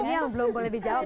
ini yang belum boleh dijawab